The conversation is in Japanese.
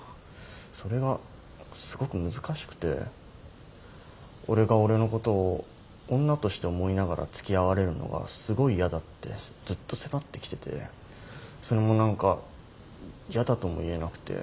それがすごく難しくて俺が俺のことを女として思いながらつきあわれるのがすごい嫌だってずっと迫ってきててそれも何か嫌だとも言えなくて。